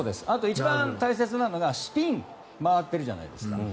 あと、一番大切なのがスピン回ってるじゃないですか。